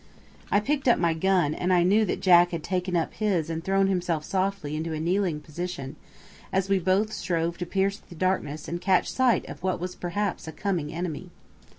I picked up my gun, and I knew that Jack had taken up his and thrown himself softly into a kneeling position, as we both strove to pierce the darkness and catch sight of what was perhaps a coming enemy.